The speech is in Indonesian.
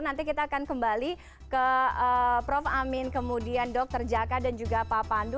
nanti kita akan kembali ke prof amin kemudian dr jaka dan juga pak pandu